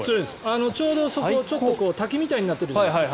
ちょうど滝みたいになってるじゃないですか。